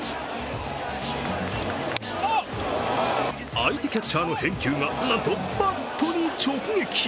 相手キャッチャーの返球がなんとバットに直撃。